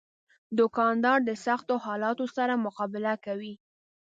دوکاندار د سختو حالاتو سره مقابله کوي.